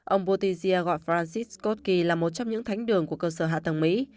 ông buttigieg gọi francis kotsky là một trong những thánh đường của cơ sở hạ tầng mỹ